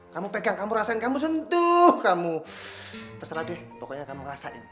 kamu pegang kamu rasain kamu sentuh kamu terserah deh pokoknya kamu rasain